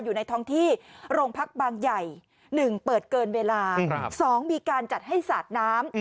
อยู่ในท้องที่โรงพักบางใหญ่๑เปิดเกินเวลา๒มีการจัดให้สาดน้ำ